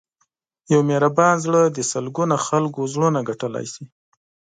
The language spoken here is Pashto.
یو مهربان زړه د سلګونو خلکو زړونه ګټلی شي.